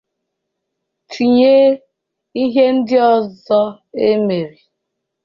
tinyéré ihe ndị ọzọ e mere